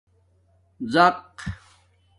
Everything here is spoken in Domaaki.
ڎَق